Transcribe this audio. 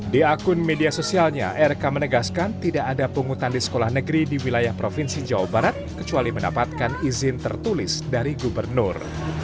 di akun media sosialnya rk menegaskan tidak ada pungutan di sekolah negeri di wilayah provinsi jawa barat kecuali mendapatkan izin tertulis dari gubernur